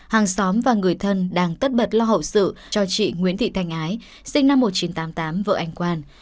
hàng xóm và người thân đang tất bật lo hậu sự cho chị nguyễn thị thanh ái sinh năm một nghìn chín trăm tám mươi tám vợ anh quan